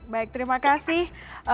baik terima kasih